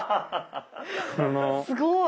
すごい！